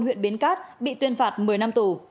huyện bến cát bị tuyên phạt một mươi năm tù